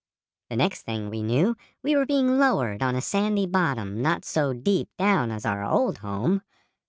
The next thing we knew we were being lowered on a sandy bottom not so deep down as our old home.